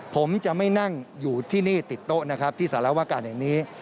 ผมจะไม่นั่งอยู่ที่นี่ติดโต๊ะนะครับที่สารวการแห่งนี้